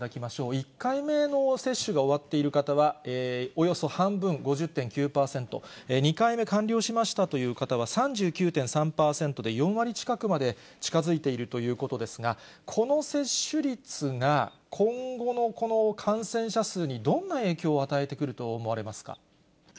１回目の接種が終わっている方はおよそ半分、５０．９％、２回目完了しましたという方は３９．３％で４割近くまで近づいているということですが、この接種率が今後のこの感染者数にどんな影響を与えてくると思われますか？